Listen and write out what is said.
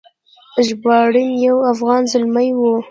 ژباړن یو افغان زلمی و.